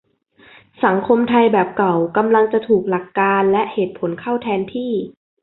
สังคมไทยแบบเก่ากำลังจะถูกหลักการณ์และเหตุผลเข้าแทนที่